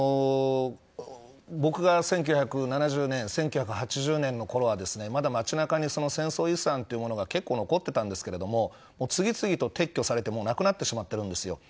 僕が１９７０年１９８０年のころはまだ街中に戦争遺産というものが結構残っていたんですけど次々と撤去されてなくなってしまっているんです。